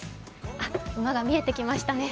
あっ、馬が見えてきましたね。